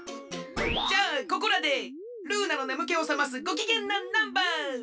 じゃあここらでルーナのねむけをさますごきげんなナンバー！